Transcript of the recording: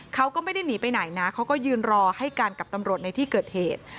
เขาก็ไม่ได้หนีไปไหนนะเขาก็ยืนรอให้กันกับตำรวจในที่เกิดเหตุ